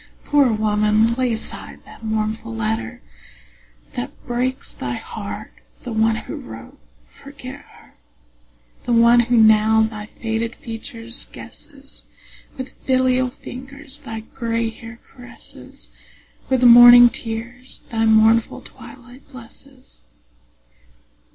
Poor woman, lay aside the mournful letter That breaks thy heart; the one who wrote, forget her: The one who now thy faded features guesses, With filial fingers thy gray hair caresses, With morning tears thy mournful twilight blesses.